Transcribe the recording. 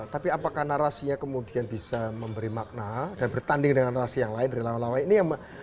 tapi apakah narasinya kemudian bisa memberi makna dan bertanding dengan narasi yang lain dari lawan lawan